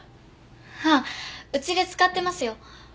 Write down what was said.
ああうちで使ってますよ。